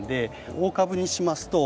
大株にしますと。